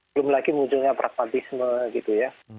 belum lagi munculnya pragmatisme gitu ya